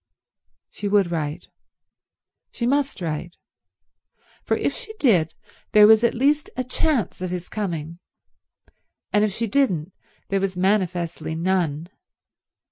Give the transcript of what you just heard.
She would write. She must write; for if she did there was at least a chance of his coming, and if she didn't there was manifestly none.